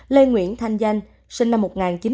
lê nguyễn thanh danh sinh năm một nghìn chín trăm tám mươi